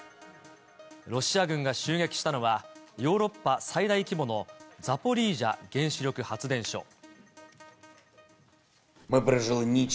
ロシア軍が襲撃したのは、ヨーロッパ最大規模のザポリージャ原子力発電所。